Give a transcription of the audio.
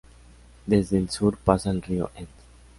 Desde el sur pasa el río Enz.